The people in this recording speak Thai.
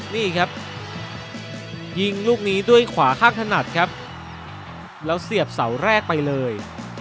นี่ครับยิงลูกนี้ด้วยขวาข้างถนัดครับแล้วเสียบเสาแรกไปเลย